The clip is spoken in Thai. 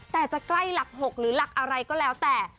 แต่จะใกล้หลัก๖หรือหลักอะไรก็แล้วแต่